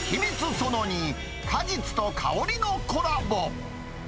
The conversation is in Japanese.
その２、果実と香りのコラボ。